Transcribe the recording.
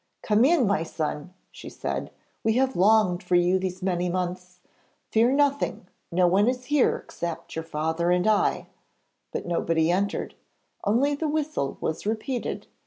'Come in, my son,' she said. 'We have longed for you these many months. Fear nothing; no one is here except your father and I.' But nobody entered; only the whistle was repeated.